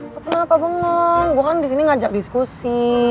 lo kenapa bengong gue kan disini ngajak diskusi